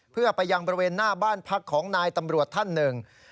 เพื่อไปยังบริเวณหน้าบ้านพักของนายตำรวจท่านหนึ่ง